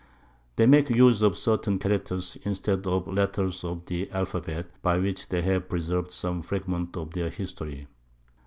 They make use of certain Characters instead of the Letters of the Alphabet, by which they have preserv'd some Fragments of their History.